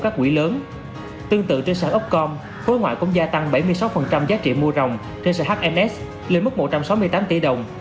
tương tự trên sản upcom khối ngoại cũng gia tăng bảy mươi sáu giá trị mua rộng trên sản hms lên mức một trăm sáu mươi tám tỷ đồng